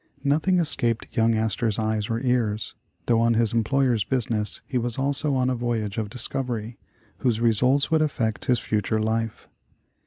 Nothing escaped young Astor's eyes or ears. Though on his employer's business, he was also on a voyage of discovery, whose results would affect his future life.